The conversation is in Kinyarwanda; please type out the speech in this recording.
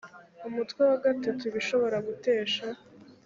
umutwe wa gatatu ibishobora gutesha